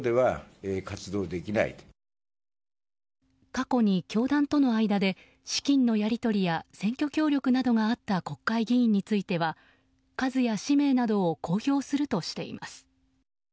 過去に教団との間で資金のやり取りや選挙協力などがあった国会議員については数や氏名などを公表するとしています。